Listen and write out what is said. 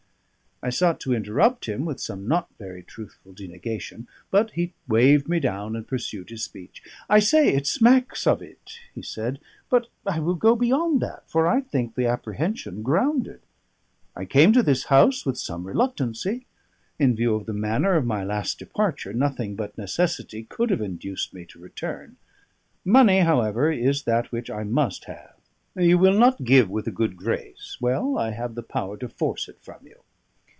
I sought to interrupt him with some not very truthful denegation; but he waved me down, and pursued his speech. "I say, it smacks of it," he said; "but I will go beyond that, for I think the apprehension grounded. I came to this house with some reluctancy. In view of the manner of my last departure, nothing but necessity could have induced me to return. Money, however, is that which I must have. You will not give with a good grace; well, I have the power to force it from you.